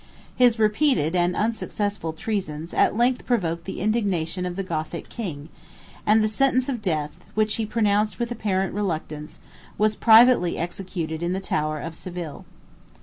His repeated and unsuccessful treasons at length provoked the indignation of the Gothic king; and the sentence of death, which he pronounced with apparent reluctance, was privately executed in the tower of Seville.